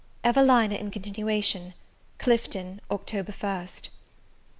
EVELINA IN CONTINUATION. Clifton, October 1st.